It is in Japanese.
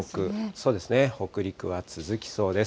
そうですね、北陸は続きそうです。